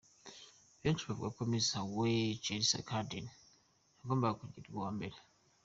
Benshi bavuga ko Miss Hawaii, Chelsea Hardin yagombaga kugirwa uwa mbere.